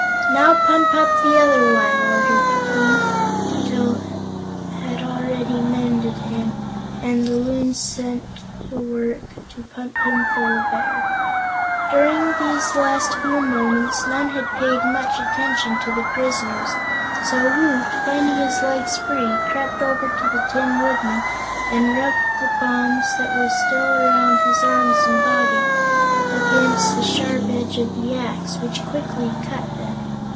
"Now pump up the other one," ordered the King. Til had already mended him, and the Loons set to work to pump him full of air. During these last few moments none had paid much attention to the prisoners, so Woot, finding his legs free, crept over to the Tin Woodman and rubbed the bonds that were still around his arms and body against the sharp edge of the axe, which quickly cut them.